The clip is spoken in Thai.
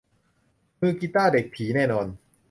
มือกีตาร์เด็กผีแน่นอน